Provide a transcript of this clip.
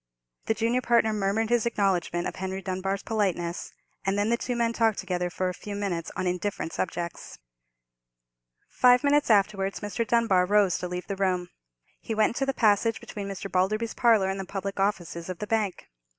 The junior partner murmured his acknowledgment of Henry Dunbar's politeness; and then the two men talked together for a few minutes on indifferent subjects. Five minutes afterwards Mr. Dunbar rose to leave the room. He went into the passage between Mr. Balderby's parlour and the public offices of the bank.